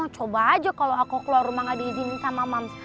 coba aja kalau aku keluar rumah gak diizinin sama mams